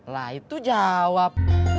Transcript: lah itu jawab